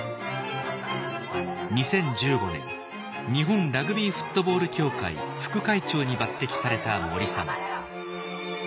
２０１５年日本ラグビーフットボール協会副会長に抜てきされた森さん。